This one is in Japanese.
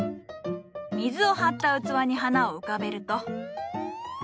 水を張った器に花を浮かべると。